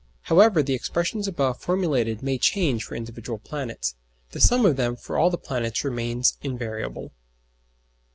However the expressions above formulated may change for individual planets, the sum of them for all the planets remains invariable.